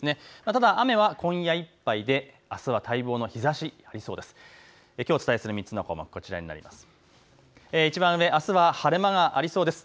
ただ雨は今夜いっぱいで、あすは待望の日ざし、ありそうです。